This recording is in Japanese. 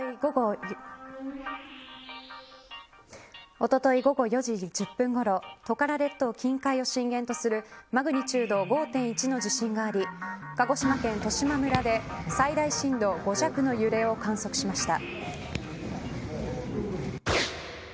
おととい午後４時１０分ごろトカラ列島近海を震源とするマグニチュード５．１の地震があり鹿児島県十島村で最大震度５弱の揺れを観測しました。